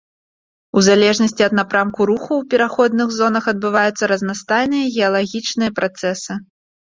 У залежнасці ад напрамку руху ў пераходных зонах адбываюцца разнастайныя геалагічныя працэсы.